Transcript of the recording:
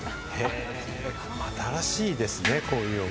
新しいですね、こういうお店。